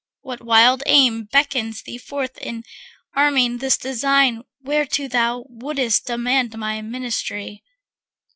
What wild aim Beckons thee forth in arming this design Whereto thou wouldst demand my ministry?